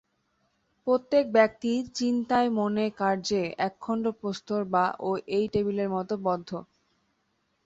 প্রত্যেক ব্যক্তিই চিন্তায় মনে কার্যে একখণ্ড প্রস্তর বা এই টেবিলটার মত বদ্ধ।